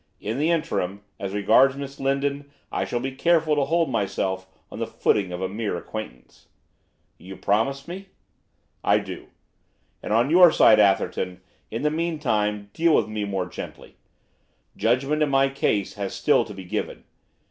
In the interim, as regards Miss Lindon I shall be careful to hold myself on the footing of a mere acquaintance.' 'You promise me?' 'I do. And on your side, Atherton, in the meantime, deal with me more gently. Judgment in my case has still to be given.